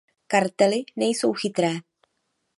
Kartely nejsou chytré.